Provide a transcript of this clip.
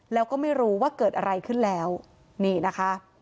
แล้วก็ไม่รู้ว่าเกิดอะไรขึ้นแล้วนี่นะคะ